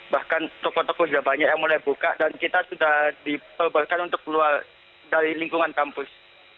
bahkan toko toko sudah banyak yang mulai buka dan kita sudah diperbolehkan untuk keluar dari lingkungan kampus